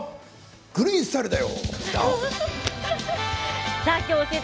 「グリーンスタイル」だよ。